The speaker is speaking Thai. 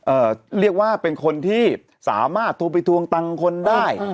เรียกว่าเป็นคนที่สามารถโทรไปทวงตังค์คนได้